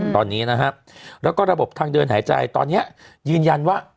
ตอนนี้นะครับแล้วก็ระบบทางเดินหายใจตอนนี้ยืนยันว่า